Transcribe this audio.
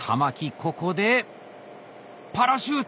ここでパラシュート。